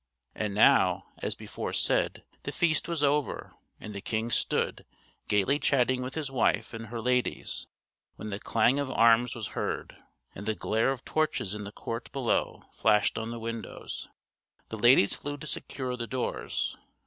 And now, as before said, the feast was over, and the king stood, gayly chatting with his wife and her ladies, when the clang of arms was heard, and the glare of torches in the court below flashed on the windows. The ladies flew to secure the doors.